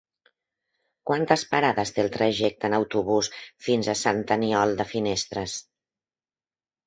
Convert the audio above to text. Quantes parades té el trajecte en autobús fins a Sant Aniol de Finestres?